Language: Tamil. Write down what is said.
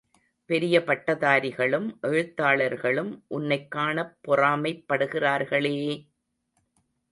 பெரிய பட்டதாரிகளும் எழுத்தாளர்களும் உன்னைக் காணப் பொறாமைப் படுகிறார்களே!